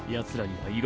はい？